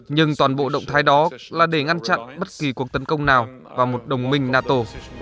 nhưng toàn bộ động thái đó là để ngăn chặn bất kỳ cuộc tấn công nào vào một đồng minh nato